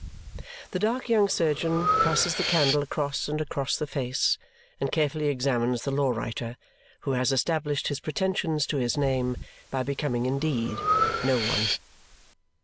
The dark young surgeon passes the candle across and across the face and carefully examines the law writer, who has established his pretensions to his name by becoming indeed No one.